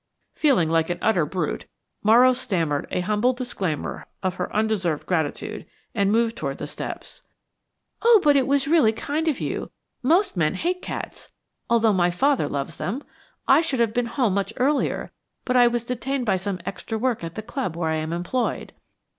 Feeling like an utter brute, Morrow stammered a humble disclaimer of her undeserved gratitude, and moved toward the steps. "Oh, but it was really kind of you; most men hate cats, although my father loves them. I should have been home much earlier but I was detained by some extra work at the club where I am employed."